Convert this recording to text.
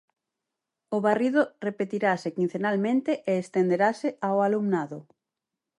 O varrido repetirase quincenalmente e estenderase ao alumnado.